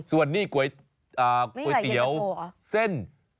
ส่วนนี้ก๋วยเตี๋ยวเส้น